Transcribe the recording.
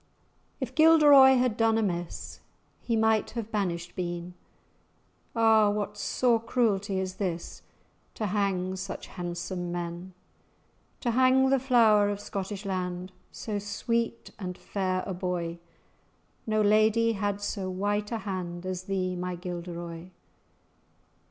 "If Gilderoy had done amiss, He might have banished been; Ah! what sore cruelty is this To hang such handsome men! To hang the flower of Scottish land, So sweet and fair a boy! No lady had so white a hand As thee, my Gilderoy!